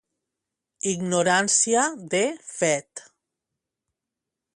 Ignorància de fet.